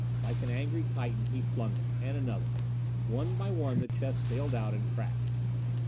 Like an angry Titan, he flung it. And another. One by one the chests sailed out and crashed.